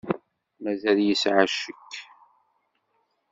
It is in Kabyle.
Mazal yesεa ccek.